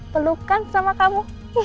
pelukan sama kamu